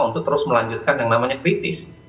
untuk terus melanjutkan yang namanya kritis